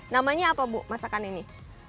namanya apa bu masakan ini